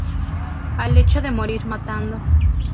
al hecho de morir matando